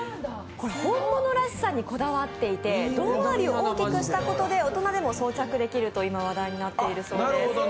本物らしさにこだわっていて、胴回りを大きくしたことで大人でも装着できると今、話題になっているそうです。